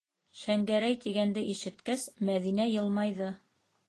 «Шәңгәрәй» тигәнде ишеткәс, Мәҙинә йылмайҙы: